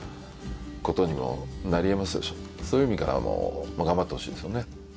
そういう意味からも頑張ってほしいですよね。